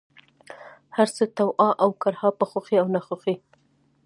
هرڅه، طوعا اوكرها ، په خوښۍ او ناخوښۍ،